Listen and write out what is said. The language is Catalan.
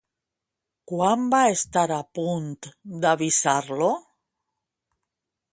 Quan va estar a punt d'avisar-lo?